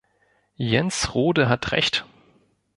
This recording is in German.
Jens Rohde hat Recht.